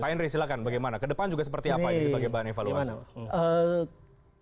pak henry silahkan bagaimana ke depan juga seperti apa ini sebagai bahan evaluasi